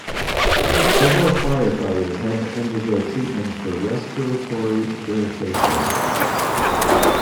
Several firefighters had to undergo treatment for respiratory irritation.